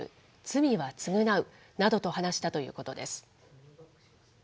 罪は償うなどと話したということです。